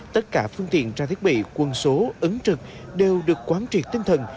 tất cả phương tiện tra thiết bị quân số ứng trực đều được quán triệt tinh thần